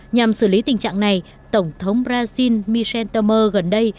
nhằm xử lý tình trạng này tổng thống brazil michel temer gần đây